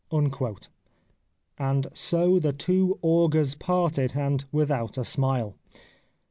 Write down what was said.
" And so the two augurs parted, and without a smile.